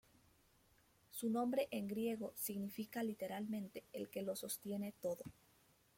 Su nombre en griego significa literalmente "el que lo sostiene todo".